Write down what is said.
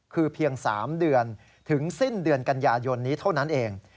คือเพียง๓เดือนถึงสิ้นเดือนกันยายนนี้เท่านั้นเอง